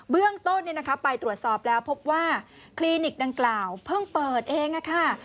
เบื้องต้นไปตรวจสอบแล้วพบว่าคลินิกดังกล่าวเพิ่งเปิดเองค่ะ